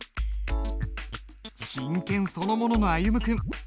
真剣そのものの歩夢君。